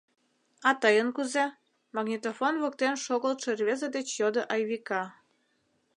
— А тыйын кузе? — магнитофон воктен шогылтшо рвезе деч йодо Айвика.